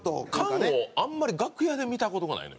菅をあんまり楽屋で見た事がないのよ。